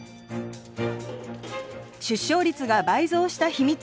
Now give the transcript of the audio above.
出生率が倍増した秘密